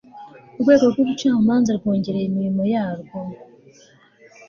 urwego rw ubucamanza rwongereye imirimo yarwo